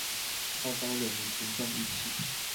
號召人民群眾一起